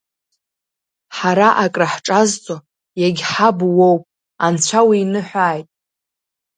Ҳара акраҳҿазҵо, иагьҳабу уоуп, Анцәа уиныҳәааит!